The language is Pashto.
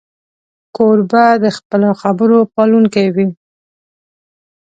کوربه د خپلو خبرو پالونکی وي.